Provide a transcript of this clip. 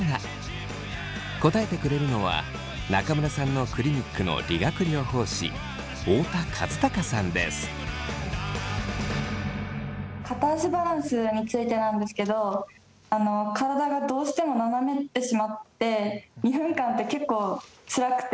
答えてくれるのは中村さんのクリニックの片足バランスについてなんですけど体がどうしても斜めってしまって２分間って結構つらくて。